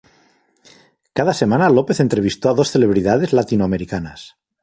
Cada semana López entrevistó a dos celebridades latinoamericanas.